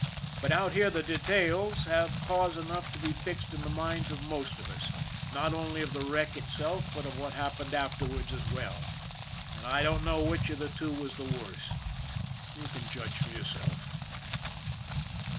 But out here the details have cause enough to be fixed in the minds of most of us, not only of the wreck itself, but of what happened afterward as well and I don't know which of the two was the worse. You can judge for yourself.